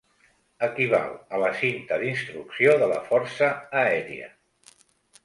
Equival a la cinta d'instrucció de la Força Aèria.